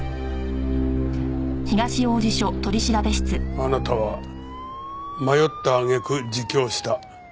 あなたは迷った揚げ句自供した。